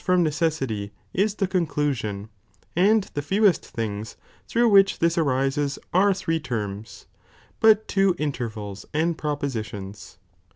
from necessity is the conclusion, and the fewest things through which this arises are three terms, but two in terrala and propositions.